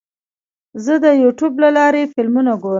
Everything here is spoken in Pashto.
زه د یوټیوب له لارې فلمونه ګورم.